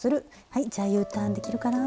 はいじゃあＵターンできるかな。